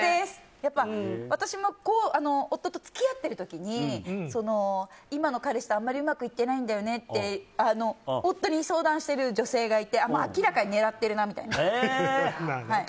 私も夫と付き合ってる時に今の彼氏とあんまりうまくいってないんだよねって夫に相談してる女性がいて明らかに狙ってるなみたいな。